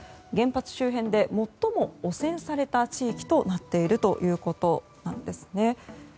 原発周辺で最も汚染された地域となっているということなんです。